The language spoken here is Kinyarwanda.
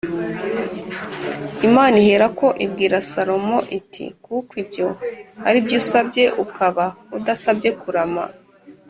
Imana iherako ibwira Salomo iti “Kuko ibyo ari byo usabye ukaba udasabye kurama”